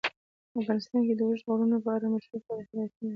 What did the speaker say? افغانستان د اوږده غرونه په اړه مشهور تاریخی روایتونه لري.